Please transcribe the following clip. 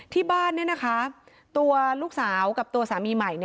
ที่บ้านตัวลูกสาวกับตัวสามีใหม่